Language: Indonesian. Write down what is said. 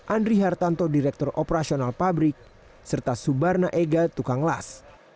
andri hartanto direktur operasional pabrik serta subarna ega tukang las